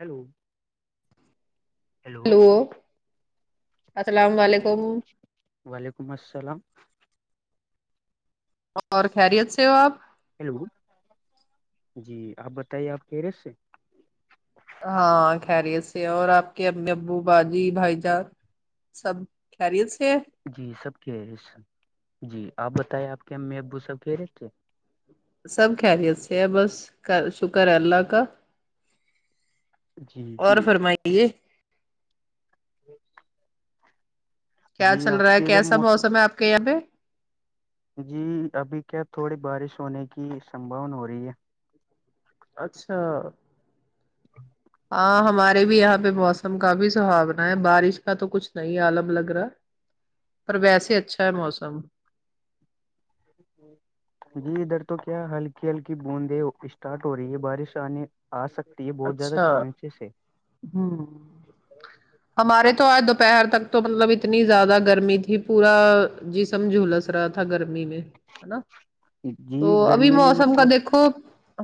Hello hello hello السلام علیکم وعلیکم السلام اور خیریت سے ہو آپ ہیلو جی آپ بتائیے آپ کیریت سے ہاں خیریت سے اور آپ کے امی ابو باجی بھائی جان سب خیریت سے ہے جی سب کہہ رہے س جی آپ بتائ آپ کے امی ابو سب کہہ رہے تھے سب خیریت سے ہے بس شکر ہے اللہ کا جی اور جی فرمائیے [unintelligible] کیا جی چل آپ رہا ہے کے ادھر کیسا موسم ہے آپ کے یہاں پہ جی ابھی کیا تھوڑی بارش ہونے کی سمباونا ہو رہی ہے اچھا [unintelligible] ہاں ہمارے بھی یہاں پہ موسم کا بھی سہاونا ہے بارش کا تو کچھ نہیں آالم لگ رہا ہے پر ویسے اچھا ہے موسم جی جی ادھر تو کیا ہلکی ہلکی بوندیں اسٹارٹ ہو رہی ہیں بارشنے آ سکتی ہے بہت زیادہ اچھا چانسز ہے ہوں ہمارے تو آج دوپہر تک تو مطلب اتنی زیادہ گرمی تھی پورا جسم جھلس رہا تھا تھا گرمی میں ہے نا جی تو ابھی گرمی نے موسم کا مطلب دیکھو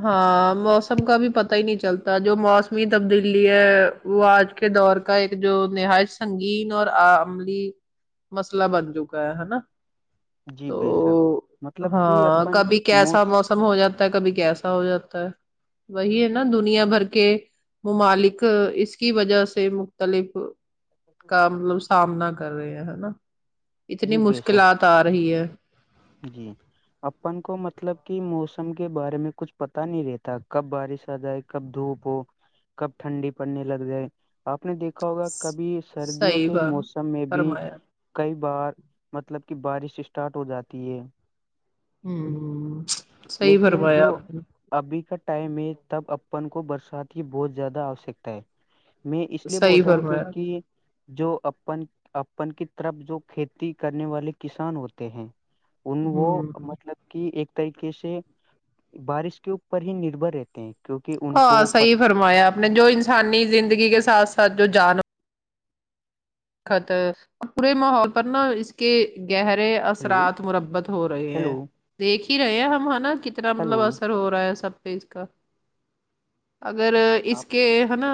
ہاں موسم کا بھی پتا ہی نہیں چلتا جو موسمی تبدیلی ہے وہ آج کے دور کا ایک جو نہایش سنگین اور آ عملی مسلہ بن چکا ہے ہے نا جی تو بے شک مطلب کہ ہاں اپن کبھی موس کیسا موسم ہو جاتا کبھی کیسا ہو جاتا ہے وہی ہے نا دنیا بھر کے ممالک اس کی وجہ سے مختلف کا مطلب سامنا کر رہے ہیں ہے نا اتنی جی بے شک مشکلات آ رہی ہے جی اپن کو مطلب کہ موسم کے بارے میں کچھ پتا نہیں رہتا کب بارش آ جائے کب دھوپ ہو کب ٹھنڈی پڑنے لگ جائے آپ نے دیکھا ہوگا کبھی سردیوں صحیح کے بات موسم میں بھی فرمایا کئی بار مطلب کہ بارش اسٹارٹ ہو جاتی ہے ہ ہ صحیح لیکن بروایا آپ جو نے ابھی کا ٹائم ہے تب اپن کو برسات کی بہت زیادہ آوشکتا ہے میں اس لیے بول صحیح رہا ہوں فرمایا کیونکہ جو اپن اپن کی طرف جو کھیتی کرنے والے کسان ہوتے ہیں ان وہ ہوں مطلب کہ ایک طریقے سے بارش کے اوپر ہی نربر رہتے ہیں کیونکہ ان ہاں کو پت صحیح فرمایا آپ نے جو انسانی زندگی کے ساتھ ساتھ جو جان خطر اور پورے ماحول پر نا اس کہ گہرے ہیلو اثرات مربت ہو رہے ہیلو ہیں دیکھ ہی رہے ہیں ہم ہ نا ک اتنا ہلو مطلب اثر ہو رہا ہے سب پہ اس کا اگر اس آپ کے ہے نا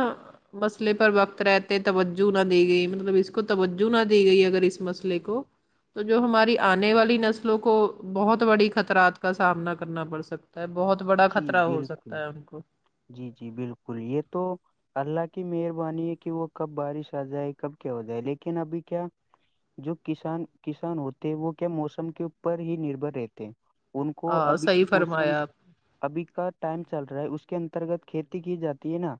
مسئلے پر وقت رہتے توجہ نہ دی گئی م مطلب اس کو توجہ نہ دی گئی اگر اس مسئلے کو تو جو ہماری آنے والی نسلوں کو بہت بڑی خطرات کا سامنا کرنا پڑ سکتا ہے بہت بڑا جی خطرہ ہو سکتا بالکل ہے ان کو جی جی بالکل یہ تو اللہ کی مہربانی ہے کہ وہ کب بارش آ جائے کب کیا ہو جائے لیکن ابھی کیا جو کسان کسان ہوتے ہیں وہ کیا موسم کے اوپر ہی نربھر رہتے ہیں ان کو ہاں ابھی کے صحیح موسم فرمایا آپ ابھی کا ٹائم چل رہا ہے اس کے انترگت کھیتی کی جاتی ہے نا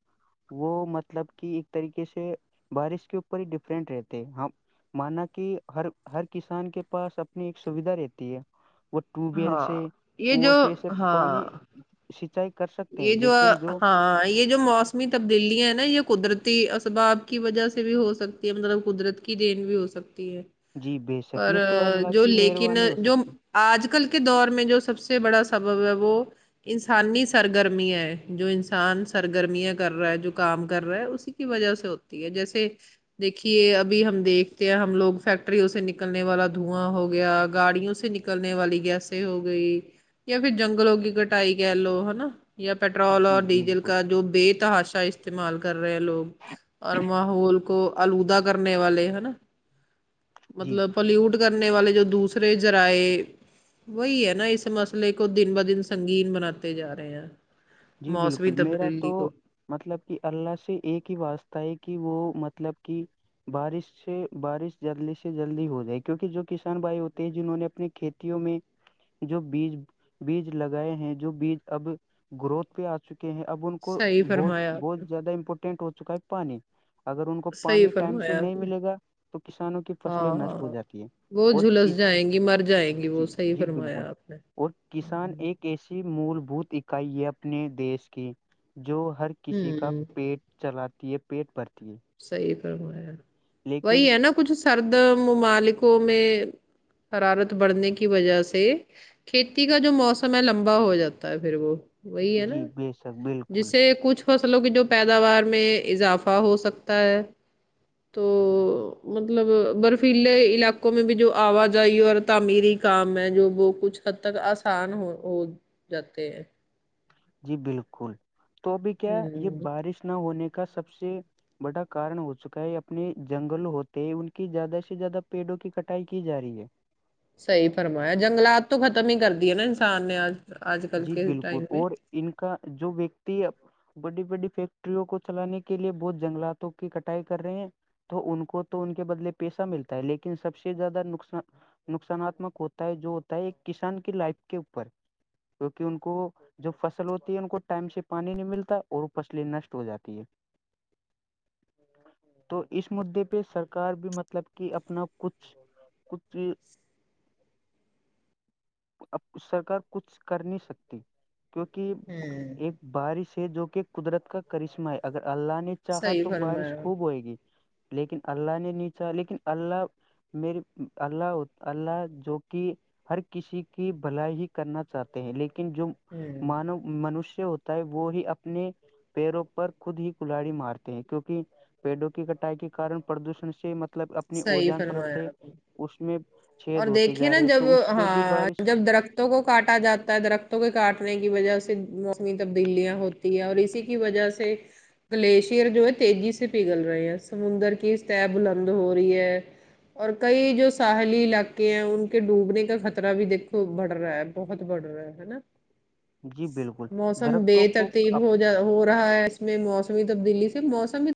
وہ مطلب کہ ایک طریقے سے بارش کے اوپر ہی ڈفرینٹ رہتے ہاں مانا کہ ہر ہر کسان کے پاس اپنی ایک سویدھا رہتی ہے وہ ٹیوب ویل ہاں سے ک یہ جو سےے ہاں پانی سچائی کر سکتے ہیں لیکن جو ہاں یہ جو موسمی تبدیلیاں ہیں نا یہ قدرتی اسباب کی وجہ سے بھی ہو سکتی ہے مطلب قدرت کی دین بھی ہو سکتی ہے جی بے شک پر یہ تو اللہ جو کی لیکن مہربانی ہو جو سکتی ہے۔ آج کل کے دور میں جو سب سے بڑا سبب ہے وہ انسانی سے سرگرمیاں جو انسان سرگرمیاں کر رہا ہے جو کام کر رہا ہے اسی کی وجہ سے ہوتا ہے جیسے دیکھیے ابھی ہم دیکھتے ہیں ہم لوگ فیکٹریوں سے نکلنے والا دھواں ہو گیا گاڑیوں سے نک نکلنے والی گیسے ہو گئی یا پھر جنگلوں کی کٹائی کہہ لو ہے نا یا پیٹرول جی اور ڈیزل بالکل کا جو بے تحاشا استعمال کر رہے ہیں لوگ اور ماحول کو آلودہ کرنے والے ہے نا جی مطلب پلیوٹ کرنے والے جو دوسرے جذرائے وہی ہے نا اس مسئلے کو دن ب دن سنگین بناتے جا رہے ہیں جی موسمی بالکل میرا تو تبدیلی کو مطلب کہ اللہ سے ایک ہی واسطہ ہے کہ وہ مطلب کہ بارش سے بارش جلدی سے جلدی ہو جائے کیونکہ جو کسان بھائی ہوتے ہیں جنہوں نے اپنی کھیتی میں جو بیج بیج لگائے ہیں جو بیج اب گروتھ پہ آ چکے ہیں اب ان کو صحیح بہت فرمایا آپ بہت نے زیادہ امپورٹینٹ ہو چکا ہے پانی اگر ان کو صحیح پانی ٹائم سے فرمایا نہیں آپ نے ملے گا تو کسانوں کی ہاں فصلیں نشٹ ہو ہاں جاتی ہے وہ اور جھلس کس جائیں گی مر جائیں گی جی وہ صحیح جی بالکل فرمایا آپ نے اور کسان ایک ایسی مول بھوت اکائی ہے اپنے دیش کی جو ہر کسی کا ہوں پیٹ چلاتی ہے پیٹ بھرتی ہے صحیح فرمایا لیکن وہی ہے نا کچھ سرد ممالکوں میں حرارت بڑھنے کی وجہ سے کھیتی کا جو موسم ہے لمبا ہو جاتا ہے پھر وہ وہی ہے نا جی بے شک بالکل جس سے کچھ فصلوں کی جو پیداوار میں اضافہ ہو سکتا پر تو مطلب برفیلے علاقوں میں بھی جو آوجائی اور تعمیری کام ہے جو وہ کچھ حد تک آسان ہو ہو جاتے ہیں جی بالکل تو ابھی کیا یہ ہوں بارش نہ ہونے کا سب سے بڑا کارن ہو چکا ہے اپنے جنگل ہوتے ہیں ان کی زیادہ سے زیادہ پیڑوں کی کٹائی کی جا رہی ہے سحی فرمایا جنگلات تو ختم ہی کر دی ہے نا انسان نے آج آج کل جی کے بالکل ائم میں اور ان کا جو ویکتی بڑی بڑی فیکٹریوں کو چلانے کے لیے بہت جنگلاتوں کی کٹائی کر رہے ہیں تو ان کو تو ان کے بدلے پیسہ ملتا ہے لیکن سب سے زیادہ نقصان نقصاناتمک ہوتا ہے جو ہوتا ہے ایک کسان کی لائف کے اوپر کیونکہ ان کو جو فصل ہوتی ہے ان کو ٹائم سے پانی نہیں ملتا اور وہ فصلیں نشٹ ہو جاتی ہے [inaudible] تو اس مددے پہ سرکار بھی مطلب کہ اپنا کچھ کتری اب سرکار کچھ کر نہیں سکتی کیونکہ ہوں ایک بارش ہے جو کہ قدرت کا کرشمہ ہے اگر اللہ نے چاہا صحیح تو بارش فرمایا خوب ہوئے گی لیکن اللہ نے نیچا لیکن اللہ میرے اللہ اللہ جو کہ ہر کسی کی بھلائی ہی کرنا چاہتے ہیں لیکن جو ہوں مانو منشیہ ہوتا ہے وہ ہی اپنے پیڑوں پر خود ہی کلاڑی مارتے ہیں کیوںکہ پیڑوں کی کٹائی کے کن پردوشن سے م مطلب اپنی صحیح اجان پرت فرمایا ہے آپ نے اس میں اور چد ہوتے دیکھیے جا نا رہے جب تو اس سے بھی ہاں بارش جب درخت ت کو کاٹا جاتا ہے درختوں کے کاٹنے کی وجہ سے موسمی تبدیلیاں ہوتی ہے اور اسی کی وجہ سے گلیشیئر جو ہے تیزی سے پگھل رہے ہیں سمندر کی اسطح بلند ہو رہی ہے اور کئی جو ساحلی لگ ے ہیں ان کے ڈوبنے کا خطرہ بھی دیکھو بڑھ رہا ہے بہت بڑھ رہا ہے ہے نا جی بالکل موسم بے درختوں کو ترتیب اپ- ہو ہو رہا ہے اس میں موسمی تبدیلی سے موسم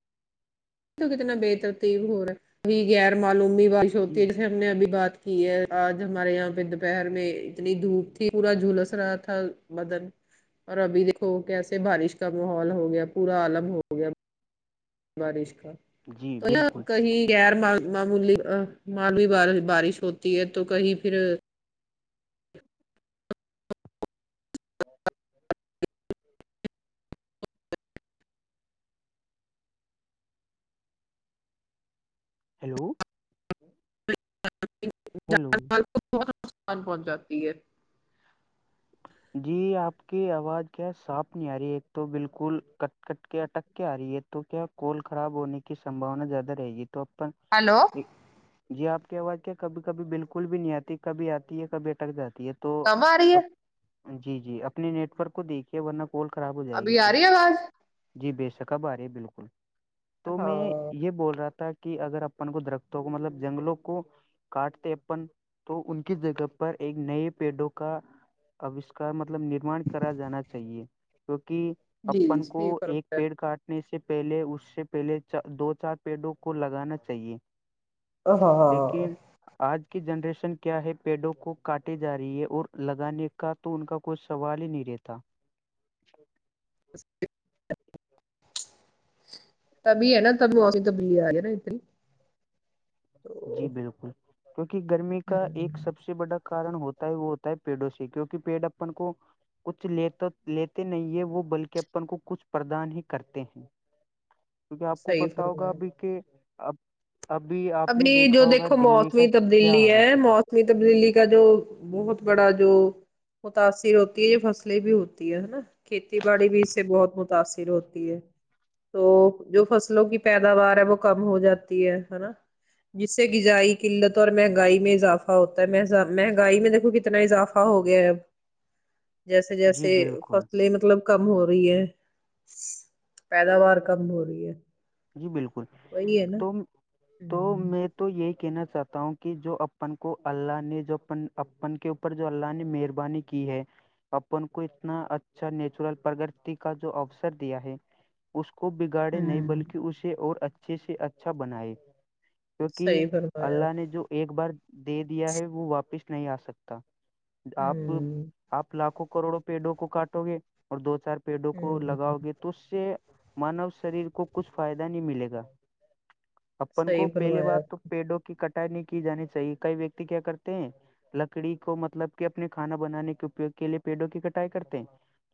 تو کتنا بےترتیب ہو رہ ہے کہ غیر معلومی وشوتی جس ہم نے ابھی بات کی ہے آج ہمارے یہاں پہ دوپہر میں اتنی دھوپ تھی پورا جھلس رہا تھا مدن [inaudible] [unintelligible] اور ابھی دیکھو کیسے بارش کا ماحول ہو گیا پورا آالب ہو گیا بارش جی تو بالکل کہیں غیر م معمولی معالولی بارش بارش ہوتی ہے تو کہیں پھر ج [inaudible] [inaudible] ہیلو ہیلو جان کو بہت نقصان پہنچاتی ہے [unintelligible] ج [inaudible] [inaudible] جی آپ کی آواز کیا صاپ نہیں آ رہی ایک تو بالکل کٹ کٹ کے اٹک کیا آ رہی ہے تو کیا کال خراب ہونے کی سمباونا زیادہ رہے گی تو اپ ہیلو جی آپ کی آواز کیا کبھی کبھی بالکل بھی نہیں آتی کبھی آتی ہے کبھی اٹک جاتی ہے تو آ کم رہ ہے اب [unintelligible] جی جی اپنے نیٹ ورک کو دیکھیے ورنہ کوال خراب ہو جائے گی ابھی پھر آ رہی ہے آواز جی بے شکب آارے بالکل تو میں ہاں یہ بول رہا تھا کہ کہ اگر اپن کو درختوں کو مطلب جنگلوں کو کاٹتے اپن تو ان کی جگہ پر ایک نئے پیڑوں کا اوشکار مطلب نرمان کرا جانا چاہیے کیوںکہ جی اپن کو صحیح ایک پیڑ فرمایا کاٹ نے سے پہلے اس سے پہلے دو چار پیڑوں کو لگانا چاہیے ہاں لیکن آج کی جنریشن کیا ہے پیڑوں کو کاٹے جا رہی ہے اور لگانے کا تو ان کا کوئی سوال ہی نہیں رہتا [inaudible] [unintelligible] [unintelligible] [unintelligible] تو جی بالکل کیونکہ گرمی کا ایک ہوں سب سے بڑا کارن ہوتا ہے وہ ہوتا ہے پیڑوں سے کیوںکہ پیڑ اپن کو کچھ لیتے لیتے نہیں ہے وہ بلکہ اپن کو کچھ پردان ہی کرتے ہیں [inaudible] [inaudible] کیونکہ آپ کو پتا ہوگا فرمایا ابھی کہ اب ابھی آپ نے ابھی دیکھا جو ہوگا دیکھو دلی کا موسمی کیا تبدیلی حال ہو ہے موسم چکا موسمی تبدیلی کا جو بہت بڑا جو متاثر ہوتی ہے یہ فصلیں بھی ہوتی ہے ہے نا کھیتی باڑی بھی اس سے بہت متاثر ہوتی ہے تو جو فصلوں کی پیداوار ہے وہ کم ہو جاتی ہے ہے نا جس سے غذائی قلت اور مہنگائی میں اضافہ ہوتا ہے مہنگائی میں دیکھو کتنا اضافہ ہو گیا ہے اب جیسے جی جیسے بالکل فصلیں مطلب کم ہو رہی ہے پیداوار کم ہو رہی ہے جی بالکل وہی ہے نا تم تو ہوں میں تو یہ کہنا چاہتا ہوں کہ جو اپن کو اللہ نے جو اپن کے اوپر جو اللہ نے مہربانی کی کی ہے اپن کو اتنا اچھا نیچرل پرگتی کا جو اوسر دیا ہے اس کو بگاڑے نہیں ہوں بلکہ اسے اور اچھے سے اچھا بنائے کیونکہ صحیح فرمایا اللہ آپ نے جو ایک بار دے دیا ہے وہ واپس نہیں آ سکتا آپ ہوں آپ لاکھوں کروڑوں پیڑوں کو کاٹو گے اور دو چار پیڑوں کو ہوں لگاؤ گے تو اس سے مانو شریر کو کچھ فائدہ نہیں ملے گا اپن کو صحیح پہلیے فرمایا آپ بات تو پیڑوں کی کٹ کٹنگ کی جانی چاہیے کئی ویکتی کیا کرتے ہیں لکڑی کو مطلب کہ اپنے کھانا بنانے کے اپیوگ کے لیے پیڑوں کی کٹائی کرتے ہیں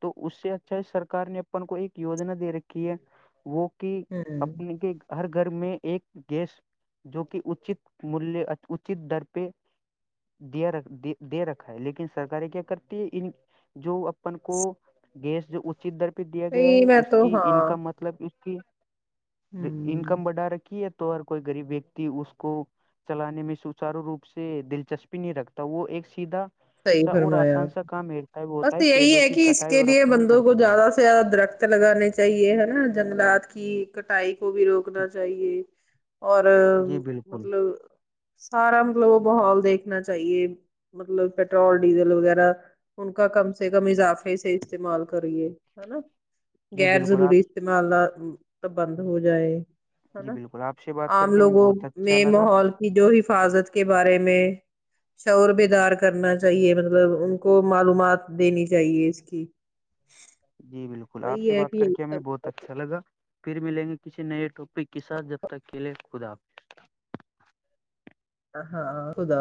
تو اس سے اچھا ہے سرکار نے اپن کو ایک یوجنا دے رکھی ہے وہ کہ ہوں اپنے کے ہر گھر میں ایک گیس جو کہ اچت ملیہ اچت در پہ دیا رکھ دے رکھا ہے لیکن سرکاریں کیا کرتی ہے ان جو اپن کو گیس جو اچت در پہ دیا گیا نہیں ہے میں اس تو کی ہاں انکم مت مطلب اس کی ہوں انکم بڑا رکھی ہے تو ہر کوئی غریب ویکتی اس کو چلانے میں سچارو روپ سے دلچسپی نہیں رکھتا وہ ایک سیدھا صحیح سا اور فرمایا آسان آپ سا کام میتٹا ہے وہ ہوتا بس ہے یہی پیڑوں کی کہ اس کٹائی کے اور لیے اپنا گھر بندوں کو چلانا زیادہ زیادہ درخت لگانے چاہیے ہے نا جنگلات کی کٹائی کو بھی روکنا چاہیے اور جی بالکل مطلب سارا مطلب وہ ماحول دیکھنا چاہیے مطلب پیٹرول ڈیزل وغیرہ ان کا کم سے کم اضافے سے استعمال کریے ہے نا جی غیر بالکل آپ ضروری استعمال نہ بند ہو جائے ہے جی نا بالکل آپ سے بات کر عام کے ہمیں لوگوں بہت اچھا میں لگا ماحول جو حفاظت کے بارے میں شعور بیدار کرنا چاہیے مطلب ان کو معلومات دینی چاہیے اس کی جی بالکل آپ سے وہی ہے بات کہ کر یہی کے ہمیں بہت سب اچھا لگا پھر ملیں گے کسی نئے ٹاپک کے ساتھ جب تک کےلیے خدا حافظ ہاں ہاں خدا